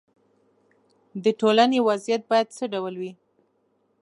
د ټولنې وضعیت باید څه ډول وي.